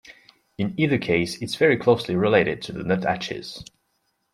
In either case, it is very closely related to the nuthatches.